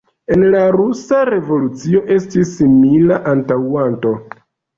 En la rusa revolucio estis simila antaŭanto.